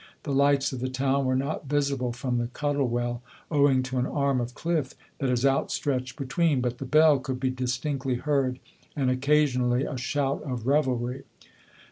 The lights of the town were not visible from the Cuttle Well, owing to an arm of cliff that is outstretched between, but the bell could be distinctly heard, and occasionally a shout of revelry.